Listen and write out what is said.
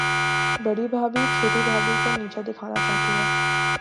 بڑی بھابھی، چھوٹی بھابھی کو نیچا دکھانا چاہتی ہے۔